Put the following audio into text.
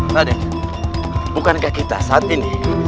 made bukankah kita saat ini